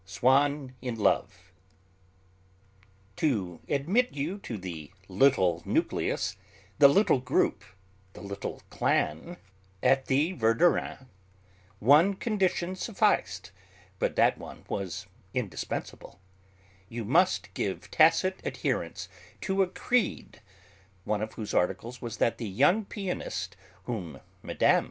SWANN IN LOVE To admit you to the 'little nucleus,' the 'little group,' the 'little clan' at the Verdurins', one condition sufficed, but that one was indispensable; you must give tacit adherence to a Creed one of whose articles was that the young pianist, whom Mme.